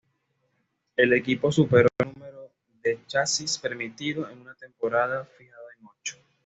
El equipo superó el número de chasis permitido en una temporada, fijado en ocho.